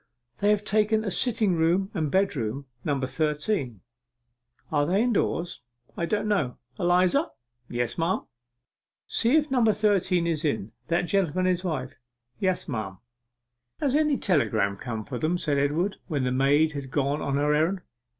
'They have taken a sitting room and bedroom, number thirteen.' 'Are they indoors?' 'I don't know. Eliza!' 'Yes, m'm.' 'See if number thirteen is in that gentleman and his wife.' 'Yes, m'm.' 'Has any telegram come for them?' said Edward, when the maid had gone on her errand.